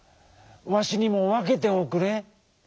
わしにもわけておくれ。